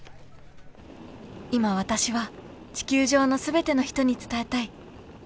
［今私は地球上の全ての人に伝えたい］